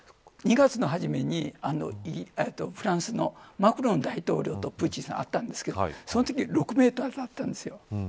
２月の初めにフランスのマクロン大統領とプーチンさん、会ったんですけどそのときは６メートルだったんです。